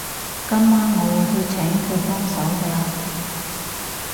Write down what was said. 今晚我會去請佢幫手㗎喇